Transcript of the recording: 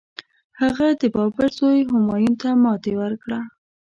هغه د بابر زوی همایون ته ماتي ورکړه.